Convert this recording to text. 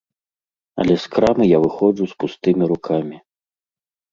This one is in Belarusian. Але з крамы я выходжу з пустымі рукамі.